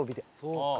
そうか。